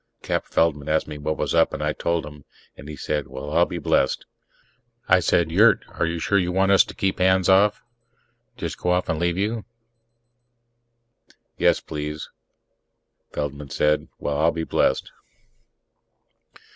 Cap Feldman asked me what was up, and I told him, and he said, "Well, I'll be blessed!" I said, "Yurt, are you sure you want us to keep hands off ... just go off and leave you?" "Yes, please." Feldman said, "Well, I'll be blessed."